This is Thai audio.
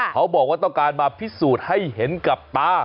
เขาบอกว่าต้องการมาพิสูจน์ให้เห็นกับตา